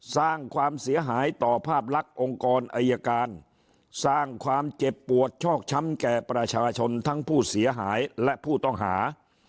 สร้างความเสียหายต่อภาพลักษณ์องค์กรอัยการสร้างความเจ็บปวดชอกช้ำแก่ประชาชนทั้งผู้เสียหายและผู้ต้องหา